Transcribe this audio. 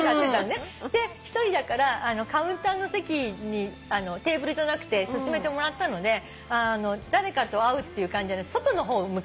で１人だからカウンターの席にテーブルじゃなくて勧めてもらったので誰かと会うっていう感じじゃない外の方向けたんですよ。